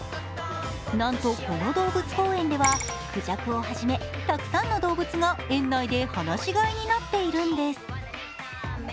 なんと、この動物公園では孔雀をはじめたくさんの動物が園内で放し飼いになっているんです。